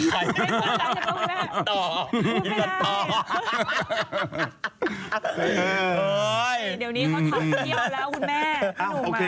เฮ้ยเดี๋ยวนี้เขาทอตเที่ยวแล้วคุณแม่